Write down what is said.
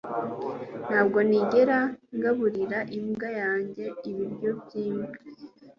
Ntabwo nigera ngaburira imbwa yanjye ibiryo byimbwa